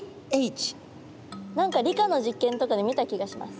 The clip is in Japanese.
何か理科の実験とかで見た気がします。